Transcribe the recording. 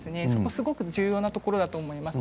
すごく重要なことだと思います。